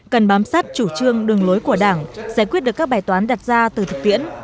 cần bám sát chủ trương đường lối của đảng giải quyết được các bài toán đặt ra từ thực tiễn